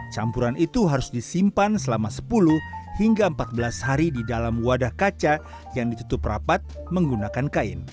campuran itu harus disimpan selama sepuluh hingga empat belas hari di dalam wadah kaca yang ditutup rapat menggunakan kain